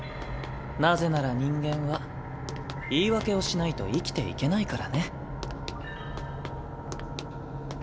なぜなら人間は言い訳をしないと生きていけないからね。